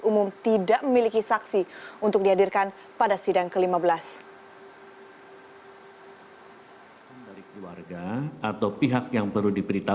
mbak kembang yang mulia